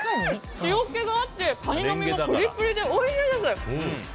塩気があってカニの身がプリプリでおいしいです。